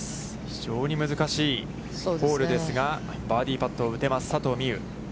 非常に難しいホールですが、バーディーパットを打てます佐藤心結。